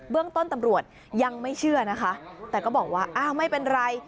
เรื่องต้นตำรวจยังไม่เชื่อนะคะแต่ก็บอกว่าอ้าวไม่เป็นไร